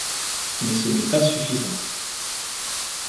Mais ce n'est pas suffisant.